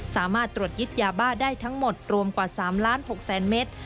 สามารถตรวจยึดยาบ้าได้ทั้งหมดรวมกว่า๓๖๐๐๐เมตร